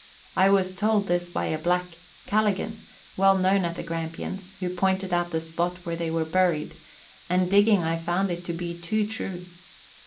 I was told this by a black, " Calligan," well known at the Grampians, who pointed out the spot where they were buried, and digging I found it to be too true.